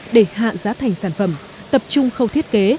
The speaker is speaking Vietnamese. để hạ giá thành sản phẩm tập trung khâu thiết kế